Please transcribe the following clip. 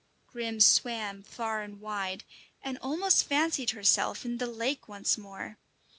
Grim swam far and wide, and almost fancied herself in the lake once more.